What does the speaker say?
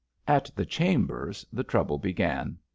At the chambers the trouble began.